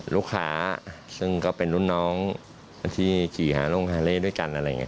ลูกค้าซึ่งก็เป็นลุ่นน้องที่ขี่หาโรงพยาบาลด้วยกัน